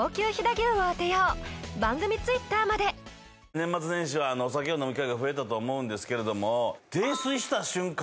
年末年始はお酒を飲む機会が増えたと思うんですけれども泥酔した瞬間